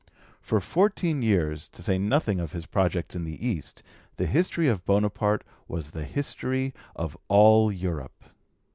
For fourteen years, to say nothing of his projects in the East, the history of Bonaparte was the history of all Europe!